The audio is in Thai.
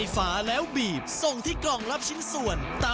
กล้านทะสีมา